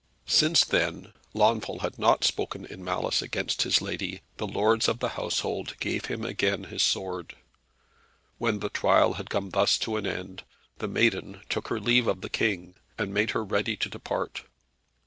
Since then Launfal had not spoken in malice against his lady, the lords of the household gave him again his sword. When the trial had come thus to an end the Maiden took her leave of the King, and made her ready to depart.